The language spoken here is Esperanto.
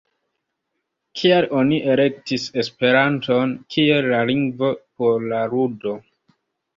Kial oni elektis Esperanton kiel la lingvon por la ludo?